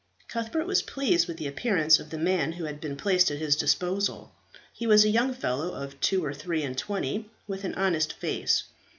Cuthbert was pleased with the appearance of the man who had been placed at his disposal. He was a young fellow of two or three and twenty, with an honest face.